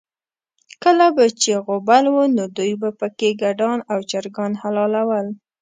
کله به چې غوبل و، نو دوی به پکې ګډان او چرګان حلالول.